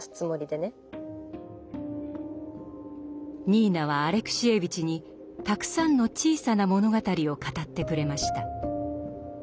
ニーナはアレクシエーヴィチにたくさんの「小さな物語」を語ってくれました。